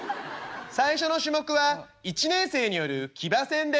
「最初の種目は１年生による騎馬戦です」。